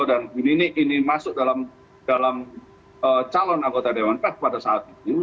dan ibu nunik ini masuk dalam calon anggota dewan pers pada saat itu